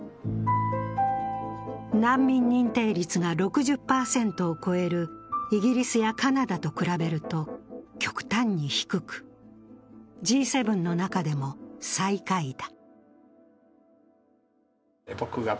難民認定率が６０％を超えるイギリスやカナダと比べると極端に低く、Ｇ７の中でも最下位だ。